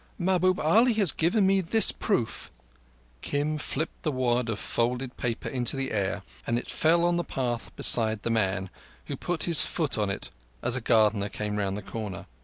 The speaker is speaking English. "Mahbub Ali has given me this proof." Kim flipped the wad of folded paper into the air, and it fell in the path beside the man, who put his foot on it as a gardener came round the corner.